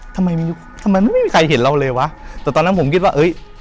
ทำไมทำไมมันไม่มีใครเห็นเราเลยวะแต่ตอนนั้นผมคิดว่าเอ้ย